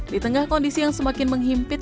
di tengah kondisi yang semakin menghimpit